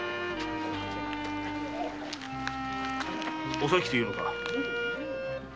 お咲というのか？